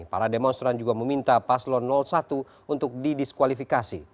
para demonstran juga meminta paslon satu untuk didiskualifikasi